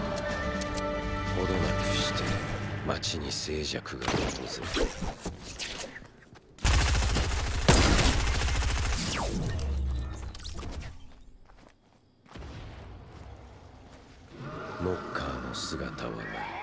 ほどなくして街に静寂が訪れたノッカーの姿はない。